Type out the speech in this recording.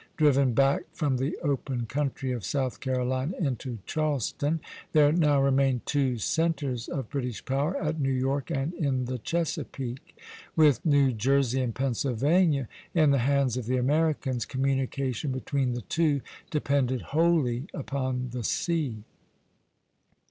Driven back from the open country of South Carolina into Charleston, there now remained two centres of British power, at New York and in the Chesapeake. With New Jersey and Pennsylvania in the hands of the Americans, communication between the two depended wholly upon the sea.